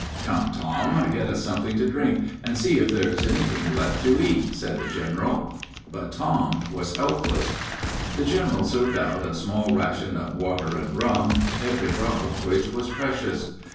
"Come, Tom, get us something to drink, and see if there is anything left to eat," said the general. But Tom was helpless. The general served out a small ration of water and rum, every drop of which was precious.